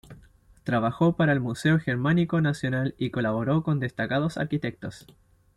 Trabajó para el Museo Germánico Nacional y colaboró con destacados arquitectos.